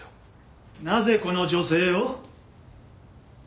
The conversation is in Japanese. なぜこの女性を？